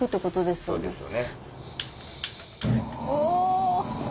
そうですね。